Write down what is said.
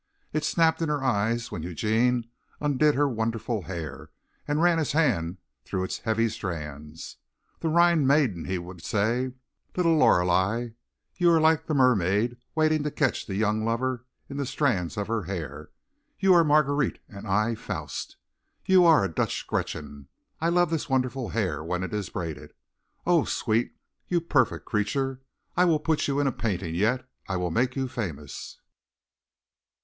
It snapped in her eyes when Eugene undid her wonderful hair and ran his hands through its heavy strands. "The Rhine Maiden," he would say. "Little Lorelei! You are like the mermaid waiting to catch the young lover in the strands of her hair. You are Marguerite and I Faust. You are a Dutch Gretchen. I love this wonderful hair when it is braided. Oh, sweet, you perfect creature! I will put you in a painting yet. I will make you famous."